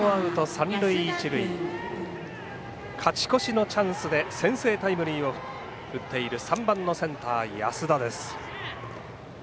勝ち越しのチャンスで先制タイムリーを打っている３番センターの安田です。